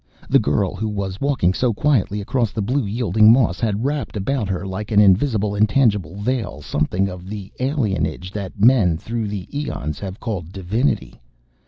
The girl who was walking so quietly across the blue yielding moss had wrapped about her, like an invisible, intangible veil, something of the alienage that men, through the eons, have called divinity.